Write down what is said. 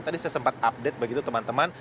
tadi saya sempat update begitu teman teman